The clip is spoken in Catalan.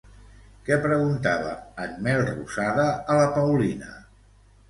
Què preguntava en Melrosada a la Paulina?